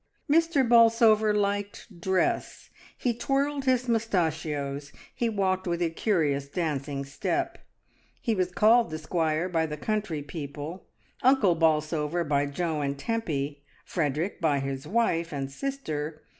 Mr. Bolsover liked dress, he twirled his moustachios, he walked with a curious dancing step. He was called the squire by the country people, Uncle Bolsover by Jo and Tempy, Frederick by his wife and sister.